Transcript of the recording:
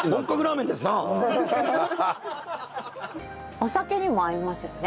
お酒にも合いますよね。